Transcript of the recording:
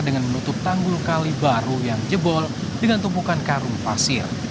dengan menutup tanggul kali baru yang jebol dengan tumpukan karung pasir